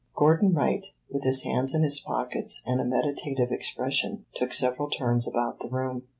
Gordon Wright, with his hands in his pockets and a meditative expression, took several turns about the room.